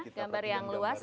gambar yang luas